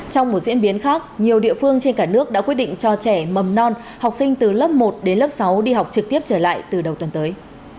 trong một diễn biến khác nhiều địa phương trên cả nước đã quyết định cho trẻ mầm non học sinh từ lớp một đến lớp sáu đi học trực tiếp trở lại từ đầu tuần tới